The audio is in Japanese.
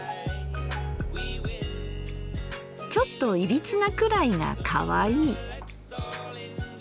ちょっといびつなくらいがかわいい。